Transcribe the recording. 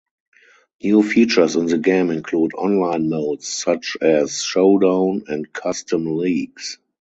New features in the game include online modes such as "Showdown" and "Custom Leagues".